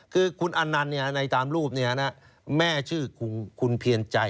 คือคุณอันนันต์ในตามรูปแม่ชื่อคุณเพียรใจ